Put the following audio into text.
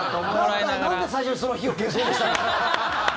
だったらなんで、最初にその火を消そうとしたのよ。